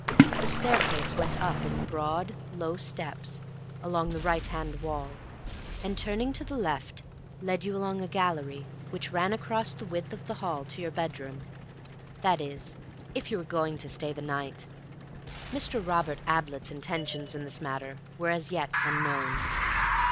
The staircase went up in broad, low steps along the right hand wall, and, turning to the left, led you along a gallery, which ran across the width of the hall, to your bedroom. That is, if you were going to stay the night. Mr. Robert Ablett's intentions in this matter were as yet unknown.